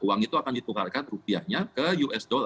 uang itu akan ditukarkan rupiahnya ke usd